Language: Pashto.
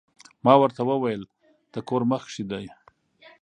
ما ورته ووې د کور مخ کښې دې